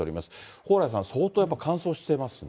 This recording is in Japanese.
蓬莱さん、相当やっぱり乾燥してますね。